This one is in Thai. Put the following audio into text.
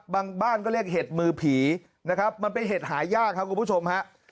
บางบ้านก็เรียกเห็ดมือผีนะครับมันเป็นเห็ดหายากครับคุณผู้ชมฮะ